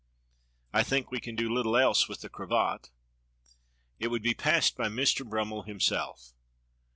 I think we can do Httle else with the cravat?" "It would be passed by Mister Brummel himself."